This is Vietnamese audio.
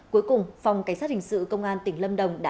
cuối cùng phòng cảnh sát hình sự công an tỉnh lâm đồng đã